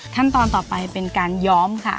ขั้นตอนต่อไปเป็นการย้อมค่ะ